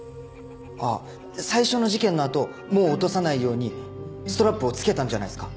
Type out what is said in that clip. あっ最初の事件の後もう落とさないようにストラップを付けたんじゃないっすか？